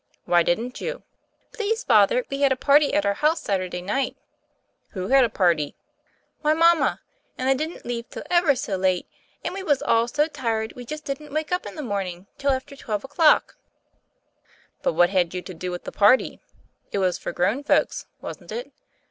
"Why didn't you?" "Please, Father, we had a party at our house Saturday night." "Who had a party?" "My mama; and they didn't leave till ever so late, and we was all so tired we just didn't wake up in the morning — till after twelve o'clock.'^ "But what had you to do with the party? It was for grown folks, wasn't it?"